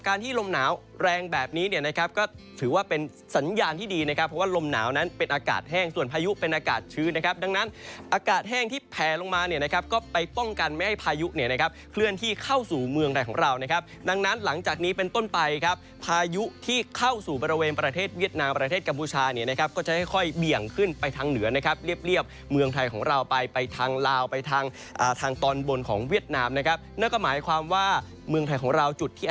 การที่ลมหนาวแรงแบบนี้เนี้ยนะครับก็ถือว่าเป็นสัญญาณที่ดีนะครับเพราะว่าลมหนาวนั้นเป็นอากาศแห้งส่วนพายุเป็นอากาศชื้นนะครับดังนั้นอากาศแห้งที่แผลลงมาเนี้ยนะครับก็ไปป้องกันไม่ให้พายุเนี้ยนะครับเคลื่อนที่เข้าสู่เมืองไทยของเรานะครับดังนั้นหลังจากนี้เป็นต้นไปครับพายุที่เข้าสู่ประเวณประ